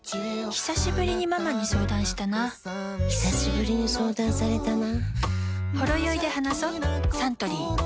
ひさしぶりにママに相談したなひさしぶりに相談されたな